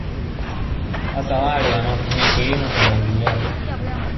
Hasa wale wanao tumia kilimo cha umwagiliaji